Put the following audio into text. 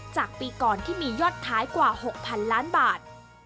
จากปีก่อนที่มียอดท้ายกว่า๖๐๐๐ล้านบาท